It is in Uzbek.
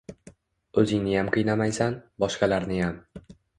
O‘zingniyam qiynamaysan, boshqalarniyam